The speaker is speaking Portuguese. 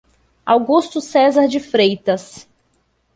Augusto Cesar de Freitas